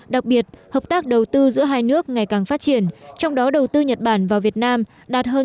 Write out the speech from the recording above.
đặc biệt hợp tác đầu tư giữa hai nước ngày càng phát triển trong đó đầu tư nhật bản vào việt nam đạt hơn